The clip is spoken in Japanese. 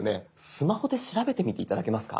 スマホで調べてみて頂けますか。